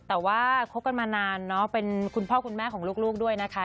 แต่ว่าคบกันมานานเนาะเป็นคุณพ่อคุณแม่ของลูกด้วยนะคะ